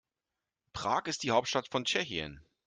Prag ist die Hauptstadt von Tschechien.